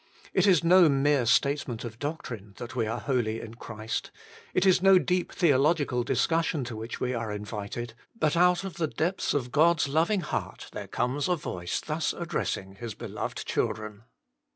It is no mere statement of doctrine, that we are holy in Christ : it is no deep theological discussion to which we are invited ; but out of the depths of God's loving heart, there comes a voice thus addressing His beloved children.